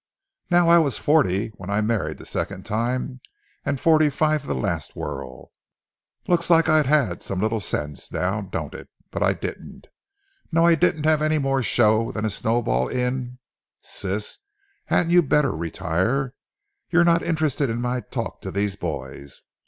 Now, I was forty when I married the second time, and forty five the last whirl. Looks like I'd a had some little sense, now, don't it? But I didn't. No, I didn't have any more show than a snowball in—Sis, hadn't you better retire. You're not interested in my talk to these boys.